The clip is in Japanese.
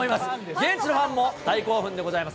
現地のファンも大興奮でございます。